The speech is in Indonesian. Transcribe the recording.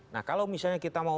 nah kalau misalnya kita mau